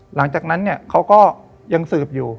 หลังจากนั้นเนี่ยเขาก็ยังสืบอยู่